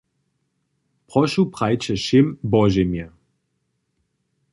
Prošu prajće wšěm božemje.